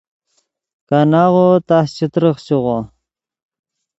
کاناغو تس چے ترخچیغو